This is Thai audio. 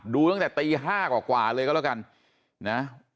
ดูตั้งแต่ตี๕กว่าเลยก็แล้วกันนะ